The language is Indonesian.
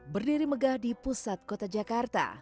berdiri megah di pusat kota jakarta